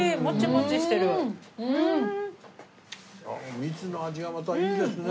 蜜の味がまたいいですね。